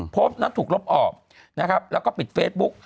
โพสต์นั้นถูกลบออกนะครับแล้วก็ปิดเฟซบุ๊ก